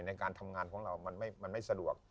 ในการทำงานของเรามันไม่สะดวก